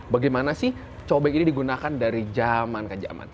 bagaimana sih cobek ini digunakan dari zaman ke zaman